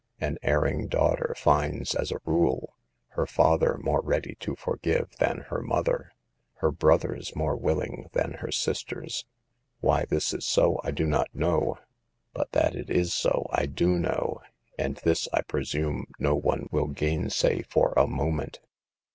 An erring daughter finds, as a rule, her father more ready to forgive than her mother; her brothers more willing than her sisters. Why this is so I do not know, but that it is so I do know, and this, I presume, no one will gainsay for a moment.